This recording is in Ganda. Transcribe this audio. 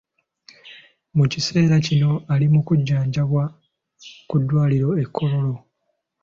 Mu kiseera kino ali mu kujjanjabwa ku ddwaliro e Kololo.